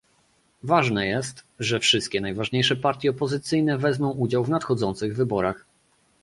Ważne jest, że wszystkie najważniejsze partie opozycyjne wezmą udział w nadchodzących wyborach